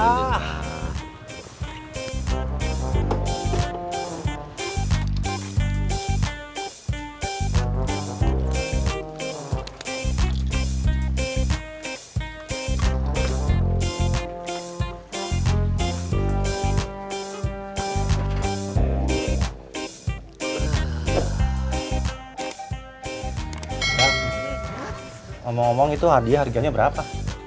ngomong ngomong itu hadiah harganya berapa